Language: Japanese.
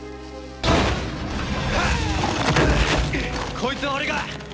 こいつは俺が！